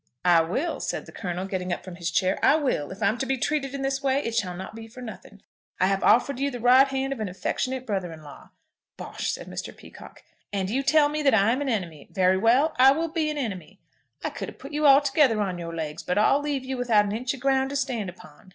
"I will," said the Colonel, getting up from his chair; "I will. If I'm to be treated in this way it shall not be for nothing. I have offered you the right hand of an affectionate brother in law." "Bosh," said Mr. Peacocke. "And you tell me that I am an enemy. Very well; I will be an enemy. I could have put you altogether on your legs, but I'll leave you without an inch of ground to stand upon.